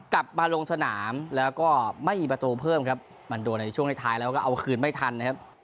กลับมาลงสนามแล้วก็ไม่มีประตูเพิ่มครับมันโดนในช่วงท้ายแล้วก็เอาคืนไม่ทันนะครับ